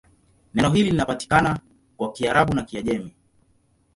Neno hili linapatikana kwa Kiarabu na Kiajemi.